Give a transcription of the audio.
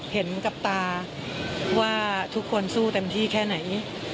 เห็นกับตาว่าทุกคนสู้เต็มที่แค่ไหน